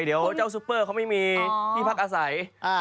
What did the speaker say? เดี๋ยวเจ้าซุปเปอร์เขาไม่มีที่พักอาศัย